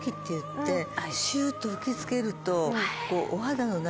シュっと吹き付けると。